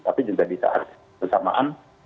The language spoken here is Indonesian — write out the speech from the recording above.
tapi juga bisa ada kesamaan